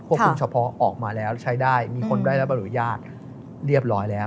คุมเฉพาะออกมาแล้วใช้ได้มีคนได้รับอนุญาตเรียบร้อยแล้ว